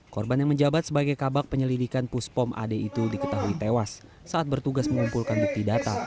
korban yang menjabat sebagai kabak penyelidikan puspom ad itu diketahui tewas saat bertugas mengumpulkan bukti data